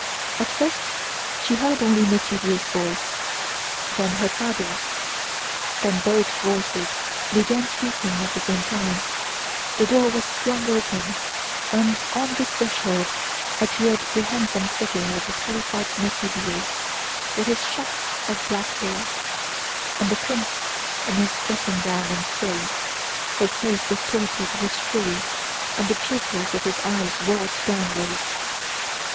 * To force the guard. At first she heard only Métivier's voice, then her father's, then both voices began speaking at the same time, the door was flung open, and on the threshold appeared the handsome figure of the terrified Métivier with his shock of black hair, and the prince in his dressing gown and fez, his face distorted with fury and the pupils of his eyes rolled downwards.